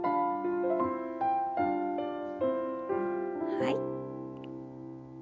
はい。